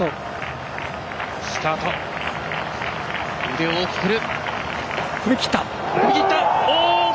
腕を大きく振る。